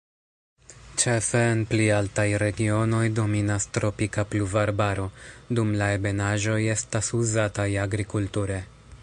Ĉefe en pli altaj regionoj dominas tropika pluvarbaro, dum la ebenaĵoj estas uzataj agrikulture.